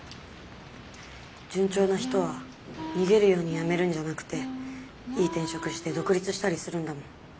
順調な人は逃げるように辞めるんじゃなくていい転職して独立したりするんだもん。